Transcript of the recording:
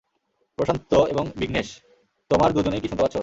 প্রশান্ত এবং বিঘ্নেশ, তোমার দুজনেই কি শুনতে পাচ্ছ?